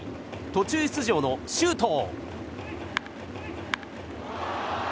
途中出場の、周東。